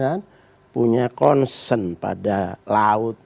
dan punya concern pada laut